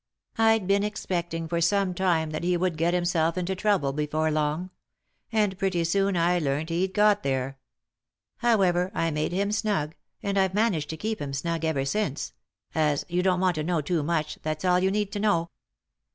I'd been expecting for some time that he would get himself into trouble before very long, and pretty soon I learnt he'd got there. However, I made him snug, and I've managed to keep him snug ever since — as you don't want to know too much, that's all you need know."